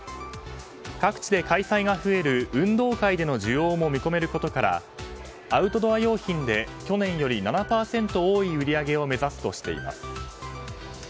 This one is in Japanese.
各地で開催が増える運動会での需要も見込めることからアウトドア用品で去年より７％多い売り上げを目指すとしています。